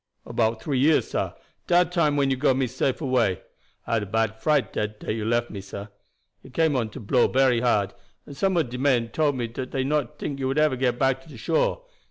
"About three years, sah; dat time when you got me safe away. I had a bad fright dat day you left me, sah. It came on to blow bery hard, and some ob de men told me dat dey did not tink you would ever get back to shore.